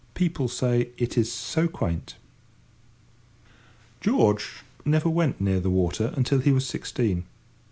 People say it is so quaint. George never went near the water until he was sixteen.